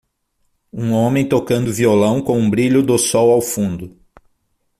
Um homem tocando violão com um brilho do sol ao fundo